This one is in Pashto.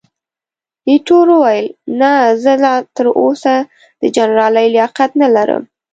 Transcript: ایټور وویل، نه، زه لا تراوسه د جنرالۍ لیاقت نه لرم.